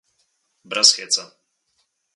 Brez heca.